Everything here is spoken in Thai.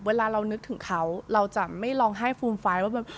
เวลาเรานึกถึงเขาเราจะไม่ร้องไห้ฟูมไฟล์ว่าแบบ